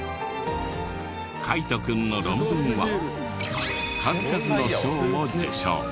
翔大君の論文は数々の賞を受賞。